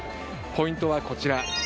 ポイントはこちら。